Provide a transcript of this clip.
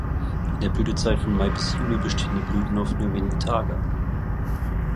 In der Blütezeit von Mai bis Juli bestehen die Blüten oft nur wenige Tage.